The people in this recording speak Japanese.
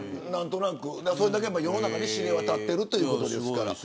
それだけ世の中に知れ渡っているということですから。